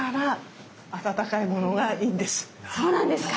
実はそうなんですか！